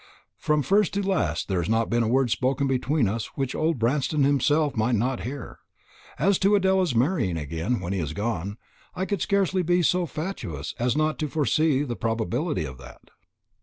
From first to last there has not been a word spoken between us which old Branston himself might not hear. As to Adela's marrying again when he is gone, he could scarcely be so fatuous as not to foresee the probability of that."